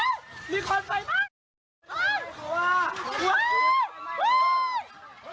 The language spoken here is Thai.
ทีนี้มันอยู่ไหนล่ะไปเขามา